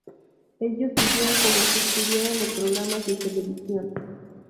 Ellos vivían como si estuvieran en programas de televisión.